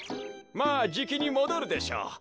まあじきにもどるでしょう。